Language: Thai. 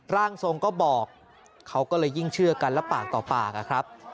ร่างทรงก็บอกเขาก็เลยยิ่งเชื่อกันแล้วปากต่อปากอะครับ